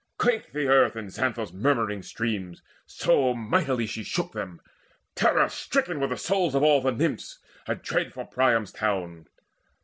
Quaked the earth And Xanthus' murmuring streams; so mightily She shook them: terror stricken were the souls Of all the Nymphs, adread for Priam's town.